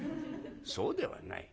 「そうではない。